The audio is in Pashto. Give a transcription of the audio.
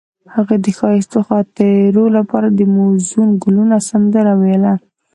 هغې د ښایسته خاطرو لپاره د موزون ګلونه سندره ویله.